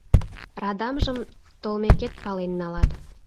Радамжым толмекет пален налат.